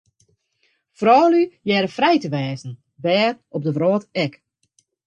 Froulju hearre frij te wêze, wêr op 'e wrâld ek.